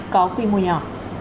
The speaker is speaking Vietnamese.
có quy mô nhỏ